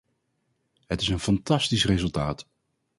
Het is een fantastisch resultaat.